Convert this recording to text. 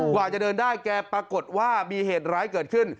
กว่าจะเดินได้แกปรากฏว่ามีเหตุร้ายเกิดขึ้น